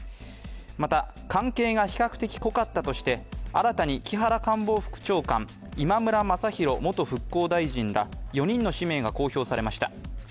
また、関係が比較的濃かったとして新たに木原官房副長官、今村雅弘元復興大臣ら４人の氏名が公表されました。